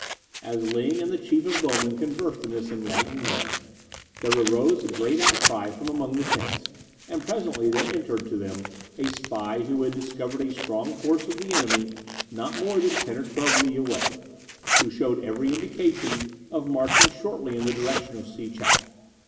As Ling and the Chief of Bowmen conversed in this enlightened manner, there arose a great outcry from among the tents, and presently there entered to them a spy who had discovered a strong force of the enemy not more than ten or twelve li away, who showed every indication of marching shortly in the direction of Si chow.